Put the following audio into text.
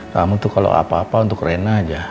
kamu tuh kalau apa apa untuk rena aja